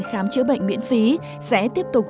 khám chữa bệnh miễn phí sẽ tiếp tục